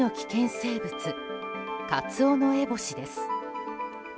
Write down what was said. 生物カツオノエボシです。